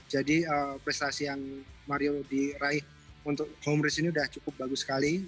jadi prestasi yang mario diraih untuk home race ini udah cukup bagus sekali